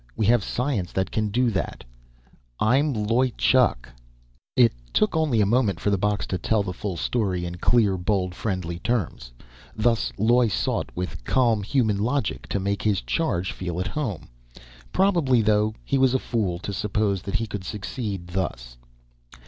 We have science that can do that. I'm Loy Chuk...." It took only a moment for the box to tell the full story in clear, bold, friendly terms. Thus Loy sought, with calm, human logic, to make his charge feel at home. Probably, though, he was a fool, to suppose that he could succeed, thus.